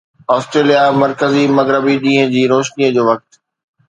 Australia مرڪزي مغربي ڏينهن جي روشني جو وقت